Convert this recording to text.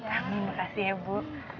amin makasih ya bu